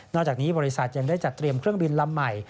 จากนี้บริษัทยังได้จัดเตรียมเครื่องบินลำใหม่